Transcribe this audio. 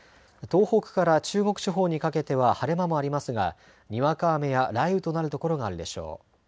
東北から中国地方にかけては晴れ間もありますが、にわか雨や雷雨となる所があるでしょう。